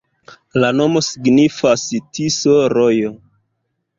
La nomo signifas: Tiso-rojo.